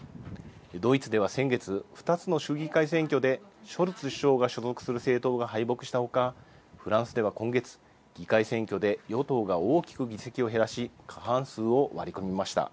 ドイツでは先月２つの州議会選挙でショルツ首相が所属する政党が敗北したほかフランスでは今月、議会選挙で与党が大きく議席を減らし過半数を割り込みました。